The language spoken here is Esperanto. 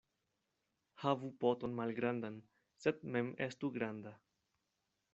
Havu poton malgrandan, sed mem estu granda.